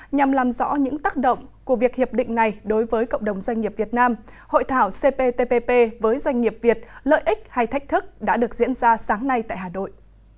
nhằm làm rõ những tác động của việc hiệp định này đối với cộng đồng doanh nghiệp việt nam hội thảo cptpp với doanh nghiệp việt lợi ích hay thách thức đã được diễn ra sáng nay tại hà nội